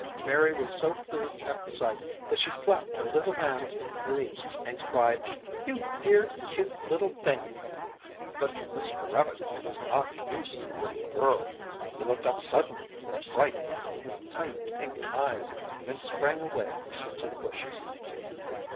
Mary was so pleased at the sight that she clapped her little hands in glee and cried, "You dear, cute little thing!" But Mr. Rabbit was not used to little girls. He looked up suddenly with fright in his tiny pink eyes, then sprang away into the bushes.